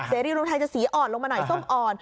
รีรวมไทยจะสีอ่อนลงมาหน่อยส้มอ่อน